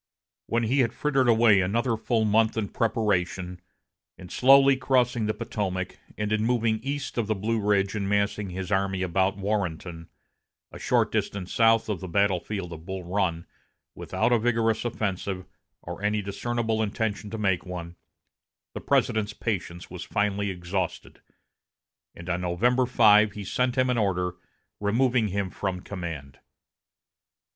When he had frittered away another full month in preparation, in slowly crossing the Potomac, and in moving east of the Blue Ridge and massing his army about Warrenton, a short distance south of the battle field of Bull Run, without a vigorous offensive, or any discernible intention to make one, the President's patience was finally exhausted, and on November 5 he sent him an order removing him from command.